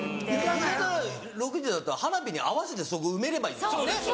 夕方６時だったら花火に合わせてそこ埋めればいいんですよね。